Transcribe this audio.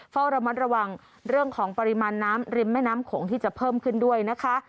เฝ้าระมัดระวังเรื่องของปริมาณน้ำริมแม่น้ำโขงที่จะเพิ่มขึ้นด้วยนะคะ